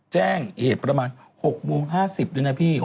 แจ้งเหตุประมาณ๖โมง๕๐ด้วยนะพี่